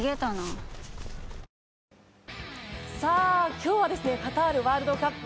今日はカタールワールドカップ